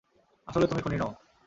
আসলে, তুমি খুনী নও।